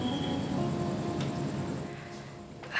kamu masih dikasih keselamatan